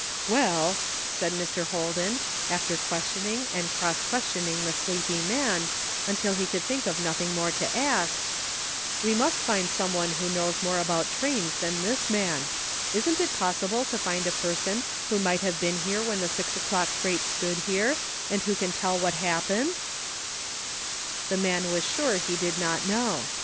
Well," said Mr. Holden, after questioning and cross questioning the sleepy man until he could think of nothing more to ask, " we must find some one who knows more about trains than this man. Isn't it possible to find a per son who might have been here when the six o'clock freight stood here, and who can tell what happened?" 68 '*WHAT COULD HAPPEN?'' The man was sure he did not know.